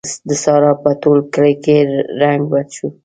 د سارا په ټول کلي کې رنګ بد شو.